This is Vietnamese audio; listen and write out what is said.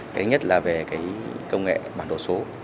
thứ nhất là về công nghệ bản đồ số